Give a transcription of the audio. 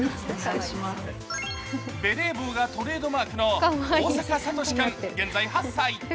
ベレー帽がトレードマークの大坂聡志君、現在８歳。